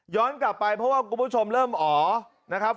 กลับไปเพราะว่าคุณผู้ชมเริ่มอ๋อนะครับ